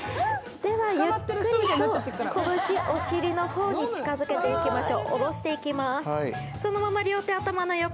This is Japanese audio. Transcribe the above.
ではゆっくりと拳をお尻の方に近づけていきましょう。